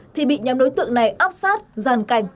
thì bị nhóm đối tượng này óp sát giàn cành